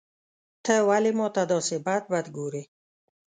ته ولي ماته داسي بد بد ګورې.